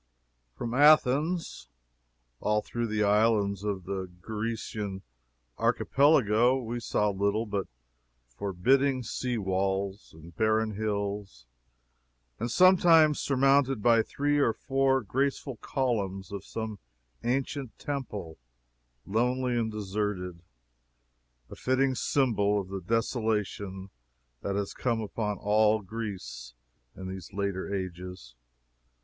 From Athens all through the islands of the Grecian Archipelago, we saw little but forbidding sea walls and barren hills, sometimes surmounted by three or four graceful columns of some ancient temple, lonely and deserted a fitting symbol of the desolation that has come upon all Greece in these latter ages.